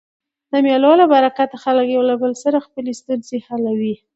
د مېلو له برکته خلک له یو بل سره خپلي ستونزي حلوي.